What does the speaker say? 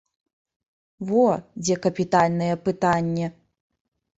Во, дзе капітальнае пытанне!